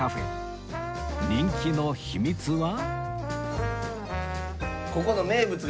人気の秘密は